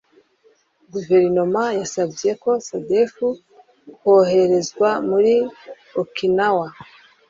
guverinoma yasabye sdf koherezwa muri okinawa